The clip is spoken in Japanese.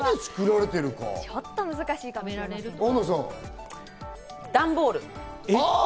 ちょっと難しいかもしれない。